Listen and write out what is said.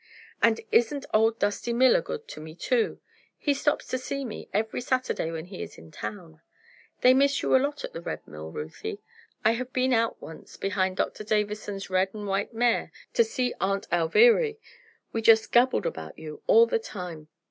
"And isn't old Dusty Miller good to me, too? He stops to see me every Saturday when he is in town. They miss you a lot at the Red Mill, Ruthie. I have been out once behind Dr. Davison's red and white mare, to see Aunt Alviry. We just gabbled about you all the time.